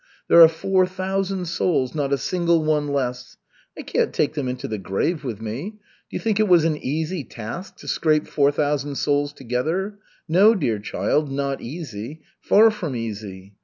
There are four thousand souls, not a single one less. I can't take them into the grave with me. Do you think it was an easy task to scrape four thousand souls together? No, dear child, not easy, far from easy.